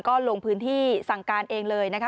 ก็ลงพื้นที่สั่งการเองเลยนะคะ